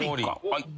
はい。